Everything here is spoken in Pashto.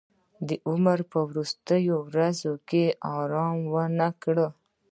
د عمر په وروستیو ورځو کې ارام ونه کړ.